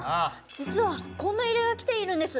実はこんな依頼が来ているんです。